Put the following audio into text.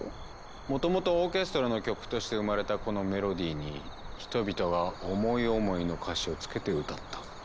もともとオーケストラの曲として生まれたこのメロディーに人々が思い思いの歌詞をつけて歌った。